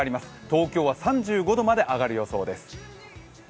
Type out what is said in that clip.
東京は３５度まで上がる予想です。